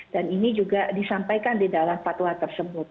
dan ini juga disampaikan di dalam patuanya tersebut